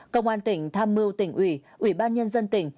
công an tỉnh tham mưu tỉnh ủy ủy ban nhân dân tỉnh